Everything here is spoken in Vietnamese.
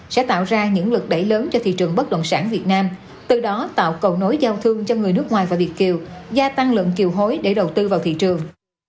sẽ tạo ra những lực đẩy lớn cho thị trường bất động sản việt nam từ đó tạo cầu nối giao thương cho người nước ngoài và việt kiều gia tăng lượng kiều hối để đầu tư vào thị trường